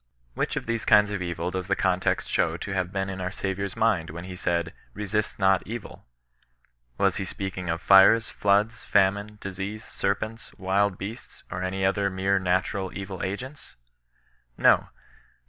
Which of these kinds of evil does the context show to have been in our Saviour's mind when he said, " resist not evilV^ Was he speaking of fires, floods, famine, disease, ser^^ecit^^^^X.^ beasts, or any other mere natural ml ctgeuts*^ '^q, ^^)aea.